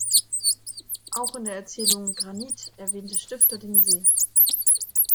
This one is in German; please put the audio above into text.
Auch in der Erzählung "Granit" erwähnte Stifter den See.